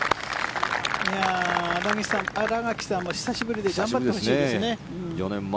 新垣さんも久しぶりで頑張ってほしいですね。